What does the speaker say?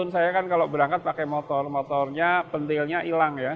saya kan kalau berangkat pakai motor motornya pentilnya hilang ya